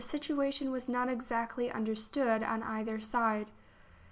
situation was not exactly understood on either side.